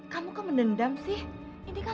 kalo gak ada apa gitu